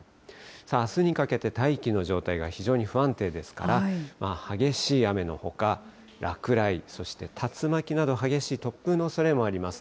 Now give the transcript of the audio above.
あすにかけて大気の状態が非常に不安定ですから、激しい雨のほか、落雷、そして竜巻など激しい突風のおそれもあります。